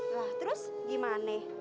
lah terus gimane